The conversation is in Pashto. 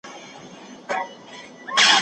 د بودا مجسمې ولې د سولي سمبول ګڼل کيږي؟